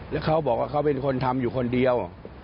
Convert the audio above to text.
แล้วเขาบอกว่าเขาเป็นคนทำอยู่คนเดียว